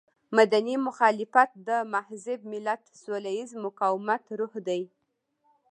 مدني مخالفت د مهذب ملت سوله ييز مقاومت روح دی.